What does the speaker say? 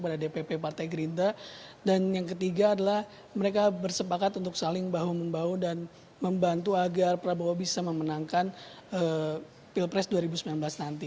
dan yang ketiga adalah mereka bersepakat untuk saling bahu membahu dan membantu agar prabowo bisa memenangkan pilpres dua ribu sembilan belas nanti